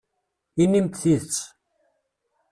Inim-d tidet.